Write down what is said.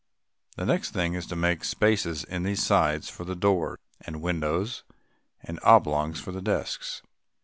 The next thing is to make spaces in the sides for the door and the windows, and oblongs for the desks.